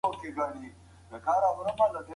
هغه د ځان ستاينه نه کوله.